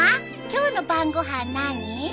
今日の晩ご飯何？